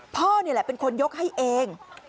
พ่อนี่แหละเป็นคนยกให้เอง